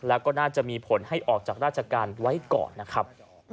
แล้วก็น่าจะมีผลให้ออกจากราชการไว้ก่อนนะครับ